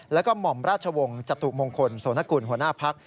แล้วก็หม่อมราชวงศ์จตุมงคลโสนกุลหัวหน้าพัก